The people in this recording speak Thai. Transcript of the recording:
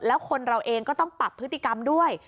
แล้วคนเราเองก็ต้องปรับพฤติกรรมด้วย